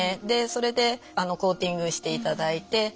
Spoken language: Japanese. でそれでコーティングしていただいて。